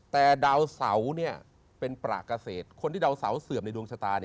แต่ดาวเสาเป็นประเกษตรคนที่ดาวเสาเสื่อมในดวงชะตา